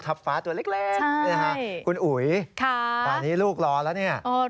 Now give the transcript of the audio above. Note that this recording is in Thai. ก็จะมีการพิพากษ์ก่อนก็มีเอ็กซ์สุข่อน